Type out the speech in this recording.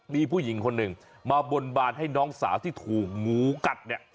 มีผู้หญิงคนหนึ่งมาบนบานให้น้องสาวที่ถูกงูกัดเนี่ย